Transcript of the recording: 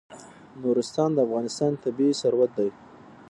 نورستان د افغانستان طبعي ثروت دی.